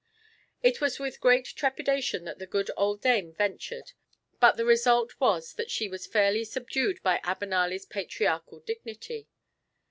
It was with great trepidation that the good old dame ventured, but the result was that she was fairly subdued by Abenali's patriarchal dignity.